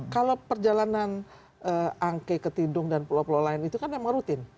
kalau perjalanan angke ke tidung dan pulau pulau lain itu kan memang rutin